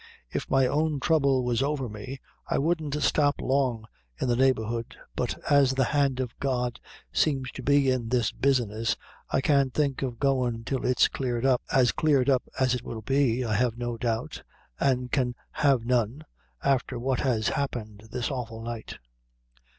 If my own throuble was over me, I wouldn't stop long in the neighborhood; but as the hand of God seems to be in this business, I can't think of goin' till it's cleared up, as cleared up it will be, I have no doubt, an' can have none, afther what has happened this awful night."